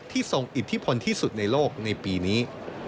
ทรงอิทธิพลที่สุดในโลกในปีนี้